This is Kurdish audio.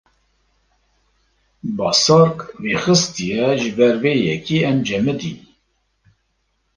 Basark vêxistiye, ji ber vê yekê em cemidîn.